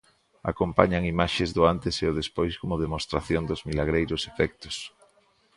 Acompañan imaxes do antes e o despois como demostración dos milagreiros efectos.